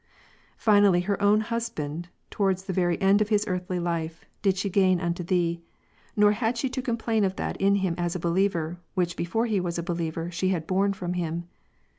22. Finally, her own husband, towards the very end of his earthly life, did she gain unto Thee ; nor had she to com plain of that in him as a believer, which before he was a believer she had borne from him.